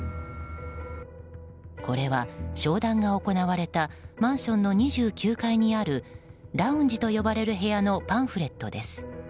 これは商談が行われたマンションの２９階にあるラウンジと呼ばれる部屋のパンフレットです。